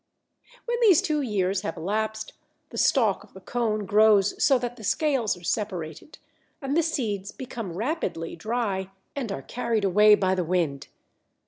When these two years have elapsed, the stalk of the cone grows so that the scales are separated, and the seeds become rapidly dry and are carried away by the wind.